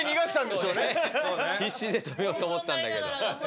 必死で止めようと思ったんだけど。